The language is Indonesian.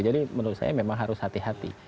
jadi menurut saya memang harus hati hati